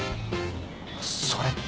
それって。